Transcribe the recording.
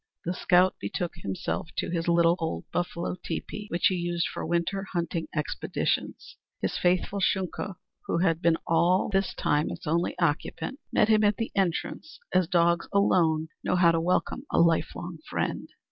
The scout betook himself to his little old buffalo teepee, which he used for winter hunting expeditions. His faithful Shunka, who had been all this time its only occupant, met him at the entrance as dogs alone know how to welcome a lifelong friend.